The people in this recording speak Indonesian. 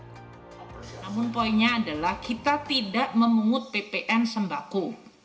namun poinnya adalah kita tidak memungut ppn sembako